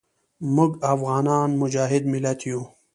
موږ افغانان مجاهد ملت یو.